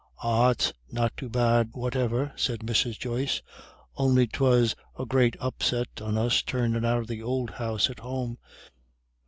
"Ah, it's not too bad whatever," said Mrs. Joyce, "on'y 'twas a great upset on us turnin' out of the ould house at home.